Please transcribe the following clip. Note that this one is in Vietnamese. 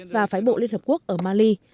và phái bộ liên hợp quốc ở mali